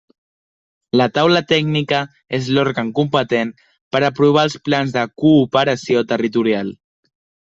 La Taula Tècnica és l'òrgan competent per aprovar els plans de cooperació territorial.